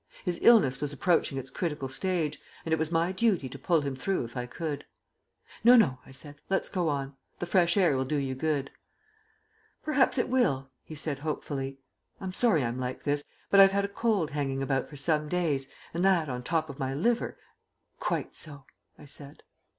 His illness was approaching its critical stage, and it was my duty to pull him through if I could. "No, no," I said. "Let's go on. The fresh air will do you good." "Perhaps it will," he said hopefully. "I'm sorry I'm like this, but I've had a cold hanging about for some days, and that on the top of my liver " "Quite so," I said.